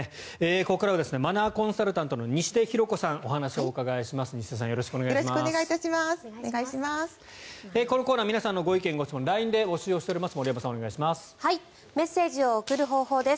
ここからはマナーコンサルタントの西出ひろ子さんにお話をお伺いします。